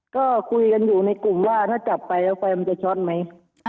ก็คุยกันอยู่ในกลุ่มว่าถ้าจับไปแล้วไฟมันจะช็อตไหม